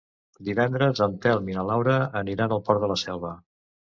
Divendres en Telm i na Laura aniran al Port de la Selva.